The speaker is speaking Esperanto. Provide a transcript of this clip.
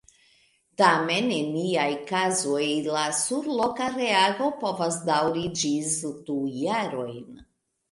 Tamen en iaj kazoj la surloka reago povas daŭri ĝis du jarojn.